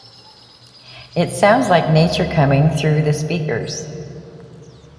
It sounds like nature coming through the speakers.